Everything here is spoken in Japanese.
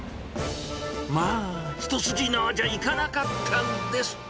まあ、一筋縄じゃいかなかったんです。